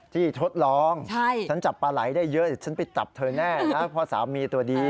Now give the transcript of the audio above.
ที่ทดลองฉันจับปลาไหลได้เยอะฉันไปจับเธอแน่นะครับพ่อสามีตัวดี